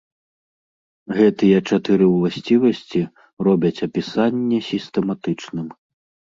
Гэтыя чатыры ўласцівасці робяць апісанне сістэматычным.